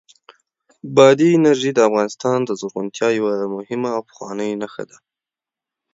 بادي انرژي د افغانستان د زرغونتیا یوه مهمه او پخوانۍ نښه ده.